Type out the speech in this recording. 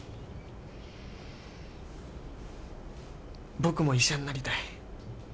僕も医者になりたい。